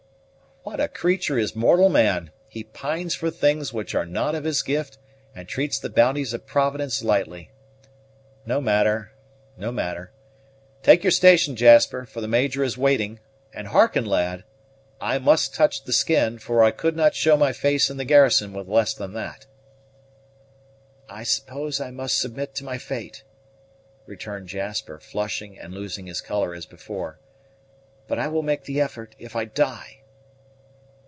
"What a creature is mortal man! He pines for things which are not of his gift and treats the bounties of Providence lightly. No matter, no matter. Take your station, Jasper, for the Major is waiting; and harken, lad, I must touch the skin, for I could not show my face in the garrison with less than that." "I suppose I must submit to my fate," returned Jasper, flushing and losing his color as before; "but I will make the effort, if I die."